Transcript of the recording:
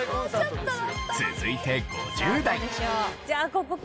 続いて５０代。